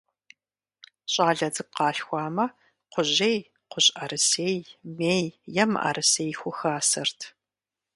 ЩӀалэ цӀыкӀу къалъхуамэ, кхъужьей, кхъужьӀэрысей, мей е мыӀэрысей хухасэрт.